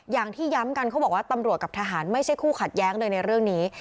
อย่างที่ย้ำกันเขาบอกว่าตำรวจกับทหารไม่ใช่คู่ขัดแย้งเลยในเรื่องนี้